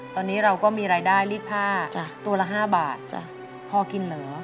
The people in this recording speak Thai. ตอนนี้เราก็มีรายได้รีดผ้าตัวละ๕บาทจ้ะพอกินเหรอ